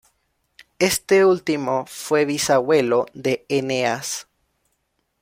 Este último fue bisabuelo de Eneas.